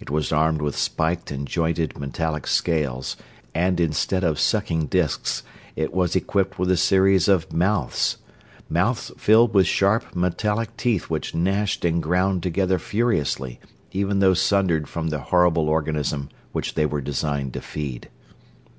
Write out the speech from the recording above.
It was armed with spiked and jointed metallic scales, and instead of sucking disks it was equipped with a series of mouths mouths filled with sharp metallic teeth which gnashed and ground together furiously, even though sundered from the horrible organism which they were designed to feed.